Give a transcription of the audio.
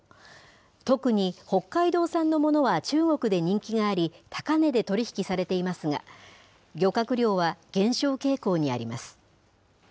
特に北海道産のものは中国で人気があり、高値で取り引きされていますが、漁獲量は減少傾向にあります。